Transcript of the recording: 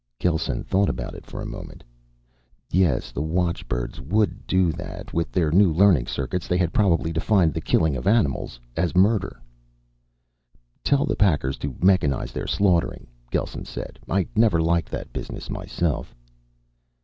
Gelsen thought about it for a moment. Yes, the watchbirds would do that. With their new learning circuits, they had probably defined the killing of animals as murder. "Tell the packers to mechanize their slaughtering," Gelsen said. "I never liked that business myself."